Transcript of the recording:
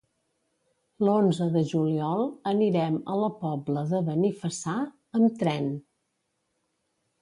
L'onze de juliol anirem a la Pobla de Benifassà amb tren.